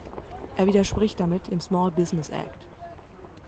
Er widerspricht damit dem Small Business Act.